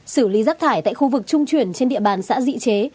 xử lý rác thải tại khu vực trung chuyển trên địa bàn xã dị chế